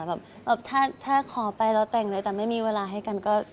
แบบถ้าขอไปแล้วแต่งเลยแต่ไม่มีเวลาให้กันก็